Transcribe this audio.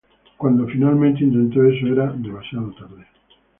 Cuando finalmente intentó eso, era demasiado tarde.